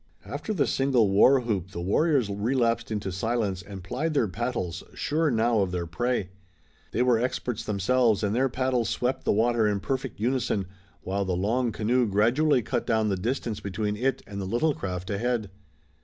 After the single war whoop the warriors relapsed into silence and plied their paddles, sure now of their prey. They were experts themselves and their paddles swept the water in perfect unison, while the long canoe gradually cut down the distance between it and the little craft ahead.